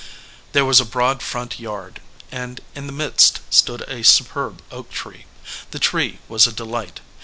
There was a broad front yard, and in the midst stood a superb oak tree. That tree was a delight.